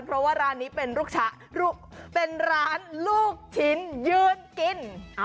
เพราะว่าร้านนี้เป็นร้านลูกชิ้นยืนกิน